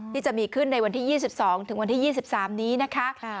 ที่จะมีขึ้นในวันที่๒๒ถึงวันที่๒๓นี้นะคะ